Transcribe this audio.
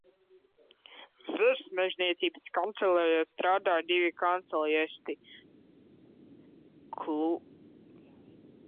Virsmežniecības kancelejā strādāja divi kancelejisti, Kulmītis un Berga.